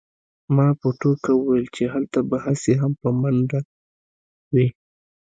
ما په ټوکه وویل چې هلته به هسې هم په منډه وې